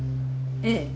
ええ。